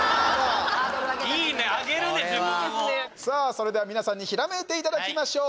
それでは、皆さんにひらめいていただきましょう。